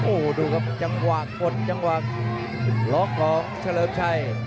โอ้ดูกับจังหวักล็อกของเฉลิมชัย